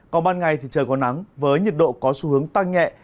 còn ban ngày thì trời có nắng với nhiệt độ có xu hướng tăng nhẹ